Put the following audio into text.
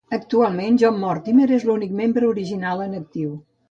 Actualment John Mortimer és l'únic membre original en actiu.